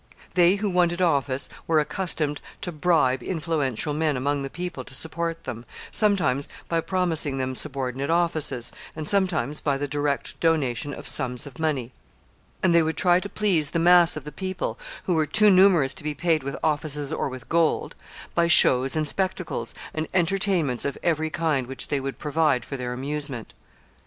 They who wanted office were accustomed to bribe influential men among the people to support them, sometimes by promising them subordinate offices, and sometimes by the direct donation of sums of money; and they would try to please the mass of the people, who were too numerous to be paid with offices or with gold, by shows and spectacles, and entertainments of every kind which they would provide for their amusement.